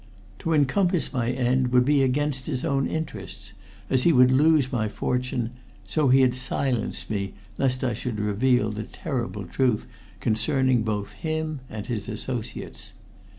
To encompass my end would be against his own interests, as he would lose my fortune, so he had silenced me lest I should reveal the terrible truth concerning both him and his associates.